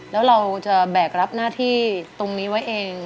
แล้วเราจะแบกรับหน้าที่ตรงนี้ไว้เอง